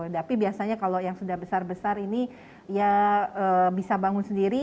tapi biasanya kalau yang sudah besar besar ini ya bisa bangun sendiri